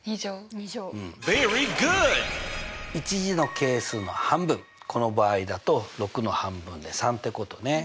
１次の係数の半分この場合だと６の半分で３ってことね。